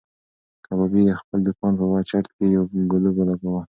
کبابي د خپل دوکان په چت کې یو ګلوب ولګاوه.